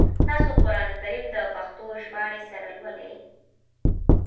تاسو قرآن کریم د پښتو ژباړي سره لولی ؟